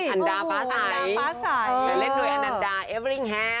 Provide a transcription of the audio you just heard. อันดาฟ้าใสเล่นด้วยอันดาเอเวริ่งแฮม